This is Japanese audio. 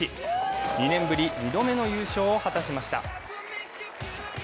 ２年ぶり２度目の優勝を果たしました。